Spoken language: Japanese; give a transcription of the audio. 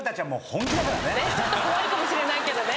ちょっと怖いかもしれないけどね。